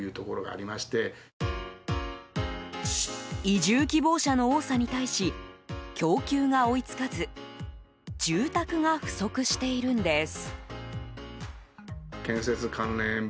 移住希望者の多さに対し供給が追い付かず住宅が不足しているんです。